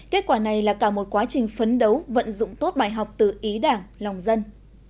kết quả này là cả một quá trình phấn đấu vận dụng tốt bài học từ ý đảng lòng dân